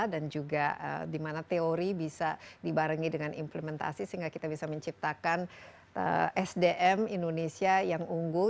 dan juga di mana teori bisa dibarengi dengan implementasi sehingga kita bisa menciptakan sdm indonesia yang unggul